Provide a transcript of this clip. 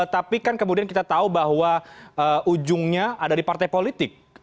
tapi kan kemudian kita tahu bahwa ujungnya ada di partai politik